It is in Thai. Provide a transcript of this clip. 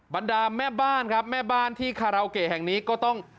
บรรดาแม่บ้านครับแม่บ้านที่คาราโอเกะแห่งนี้ก็ต้อง